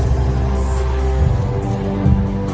สโลแมคริปราบาล